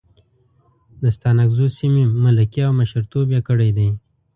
د ستانکزو سیمې ملکي او مشرتوب یې کړی دی.